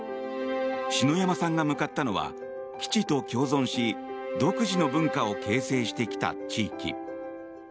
篠山さんが向かったのは基地と共存し独自の文化を形成してきた地域。